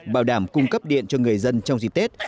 bảo đảm cung cấp điện cho người dân trong dịp tết